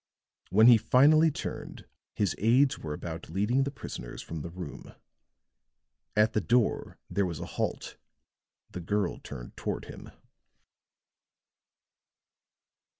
When he finally turned, his aides were about leading the prisoners from the room. At the door there was a halt; the girl turned toward him.